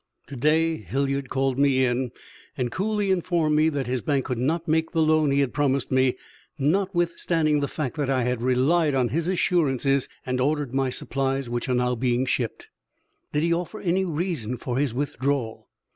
"To day Hilliard called me in and coolly informed me that his bank could not make the loan he had promised me, notwithstanding the fact that I had relied on his assurances and ordered my supplies, which are now being shipped." "Did he offer any reason for his withdrawal?"